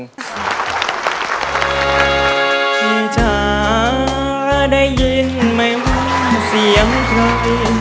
พี่จ๋าได้ยินไหมว่าเสียงใคร